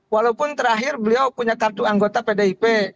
walaupun terakhir beliau punya kartu anggota pdip